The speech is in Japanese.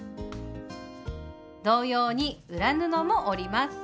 同様に裏布も折ります。